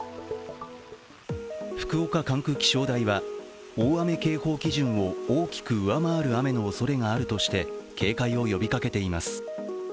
福岡管区気象台は大雨警報基準を大きく上回る雨のおそれがあるとして警戒を呼びかけています。